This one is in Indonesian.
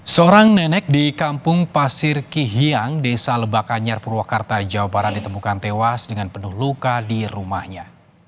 seorang nenek di kampung pasir kihiang desa lebakannyar purwakarta jawa barat ditemukan tewas dengan penuh luka di rumahnya